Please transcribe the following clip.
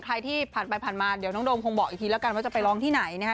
ใครที่ผ่านไปผ่านมาเดี๋ยวน้องโดมคงบอกอีกทีแล้วกันว่าจะไปร้องที่ไหนนะฮะ